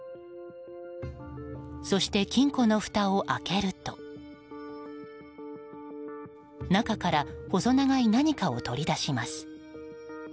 そして金庫のふたを開けると中から細長い何かを取り出します。